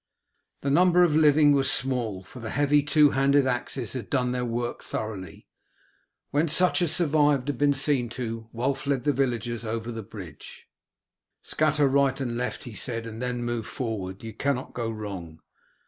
The number of living was small, for the heavy two handed axes had done their work thoroughly. When such as survived had been seen to, Wulf led the villagers over the bridge. "Scatter right and left," he said, "and then move forward. You cannot go wrong."